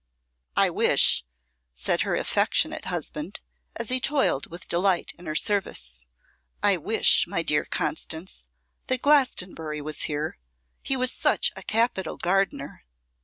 'I wish,' said her affectionate husband, as he toiled with delight in her service, 'I wish, my dear Constance, that Glastonbury was here; he was such a capital gardener.